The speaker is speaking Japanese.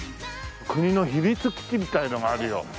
国の秘密基地みたいのがあるよ。